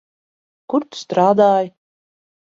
Kur tu strādāji?